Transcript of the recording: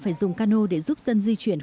phải dùng cano để giúp dân di chuyển